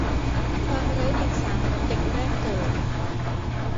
ความไร้เดียงสาเหมือนเด็กแรกเกิด